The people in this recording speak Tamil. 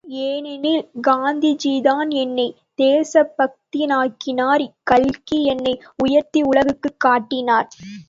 ஏனெனில் காந்திஜிதான் என்னைத் தேசபக்தனாக்கினார், கல்கி என்னை உயர்த்தி உலகுக்குக் காட்டினார்.